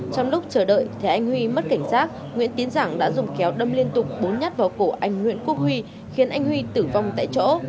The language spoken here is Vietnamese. trong lúc chờ đợi thì anh huy mất cảnh giác nguyễn tiến giảng đã dùng kéo đâm liên tục bốn nhát vào cổ anh nguyễn quốc huy khiến anh huy tử vong tại chỗ